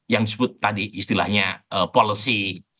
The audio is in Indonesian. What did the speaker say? yang disebut tadi istilahnya policy